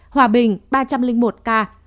hòa bình ba trăm linh một ca